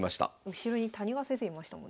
後ろに谷川先生いましたもんね。